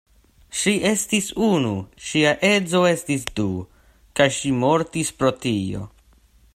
Ŝi estis unu, ŝia edzo estis du; kaj ŝi mortis pro tio.